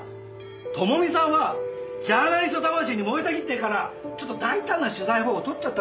朋美さんはジャーナリスト魂に燃えたぎっているからちょっと大胆な取材方法を取っちゃったんだよ。